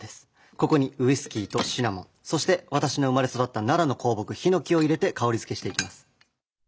ここにウイスキーとシナモンそして私の生まれ育った奈良の香木ヒノキを入れて香りづけしていきます。